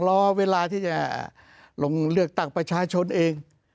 รอเวลาที่จะลงเลือกตั้งประชาชนเอง